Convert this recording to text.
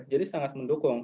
jadi sangat mendukung